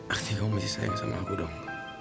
aksi kamu masih sayang sama aku dong